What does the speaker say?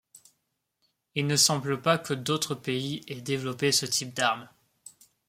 Il ne semble pas que d'autres pays aient développé ce type d'arme.